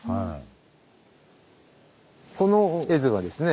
この絵図はですね